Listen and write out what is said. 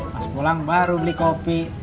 pas pulang baru beli kopi